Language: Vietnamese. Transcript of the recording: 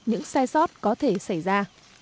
những sai sót có thể xảy ra